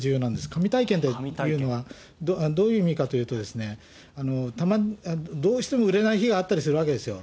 神体験というのはどういう意味かというと、どうしても売れない日があったりするわけですよ。